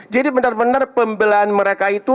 jadi benar benar pembelahan mereka itu